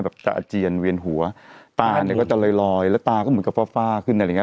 แบบจะอาเจียนเวียนหัวตาก็จะลอยแล้วตาก็เหมือนกับฟ้าขึ้นอะไรอย่างนี้